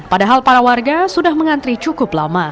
padahal para warga sudah mengantri cukup lama